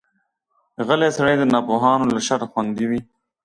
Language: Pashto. غلی سړی، د ناپوهانو له شره خوندي وي.